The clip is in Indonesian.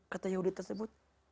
nabi itu menjawab